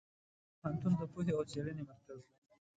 پوهنتون د پوهې او څېړنې مرکز دی.